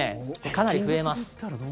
かなり増えます。